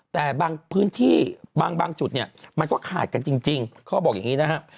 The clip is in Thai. แต่บางพื้นที่บางจุดเนี่ยมันก็ขาดกันจริงเขาบอกอย่างนี้นะครับ